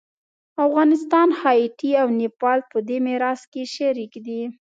افغانستان، هایټي او نیپال په دې میراث کې شریک دي.